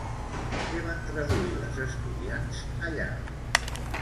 Què van traduir les estudiants allà?